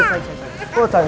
ya ampun ampun